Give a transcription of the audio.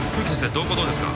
瞳孔どうですか？